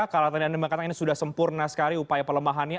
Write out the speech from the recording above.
kalau tadi anda mengatakan ini sudah sempurna sekali upaya pelemahannya